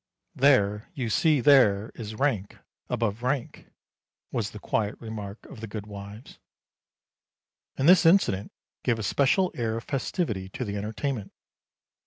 ' There, you see there is rank above rank! ' was the quiet remark of the goodwives; and this incident gave a special air of festivity to the entertainment.